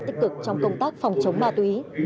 tích cực trong công tác phòng chống ma túy